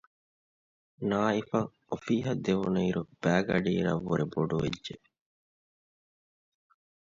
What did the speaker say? ނާއިފަށް އޮފީހަށް ދެވުނުއިރު ބައިގަޑިއިރަށް ވުރެ ބޮޑުވެއްޖެ